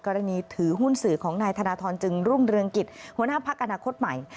ถือหุ้นสื่อของนายธนทรจึงรุ่งเรืองกิจหัวหน้าพักอนาคตใหม่